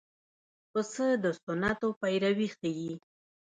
پسه د سنتو پیروي ښيي.